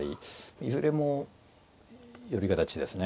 いずれも寄り形ですね。